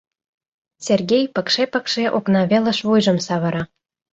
Сергей пыкше-пыкше окна велыш вуйжым савыра.